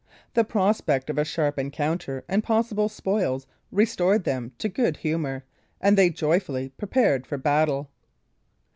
The prospect of a sharp encounter and possible spoils restored them to good humour, and they joyfully prepared for battle.